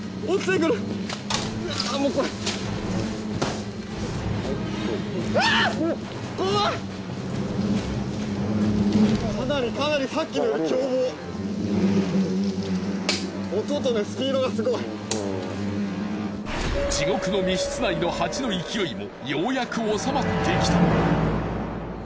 かなりかなり地獄の密室内のハチの勢いもようやくおさまってきた。